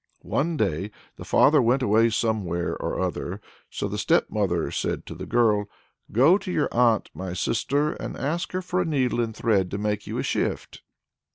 One day the father went away somewhere or other, so the stepmother said to the girl, "Go to your aunt, my sister, and ask her for a needle and thread to make you a shift."